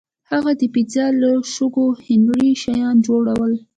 هغه د پېټرا له شګو هنري شیان جوړول.